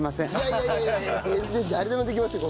いやいやいやいや全然誰でもできますよ